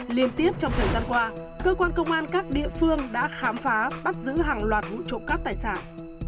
liên tiếp trong thời gian qua cơ quan công an các địa phương đã khám phá bắt giữ hàng loạt vụ trộm cắp tài sản